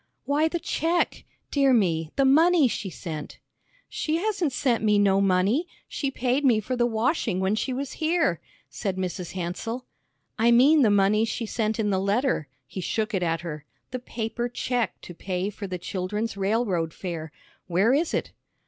"Why, the check, dear me, the money she sent." "She hasn't sent me no money. She paid me for the washing when she was here," said Mrs. Hansell. "I mean the money she sent in the letter," he shook it at her; "the paper check to pay for the children's railroad fare. Where is it?"